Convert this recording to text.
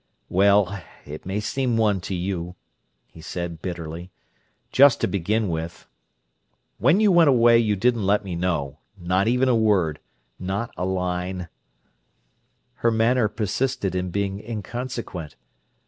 "Well, it may seem one to you," he said bitterly, "Just to begin with: when you went away you didn't let me know; not even a word—not a line—" Her manner persisted in being inconsequent.